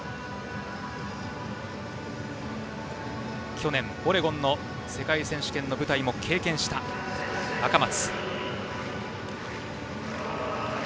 去年オレゴンの世界選手権の舞台も経験した赤松。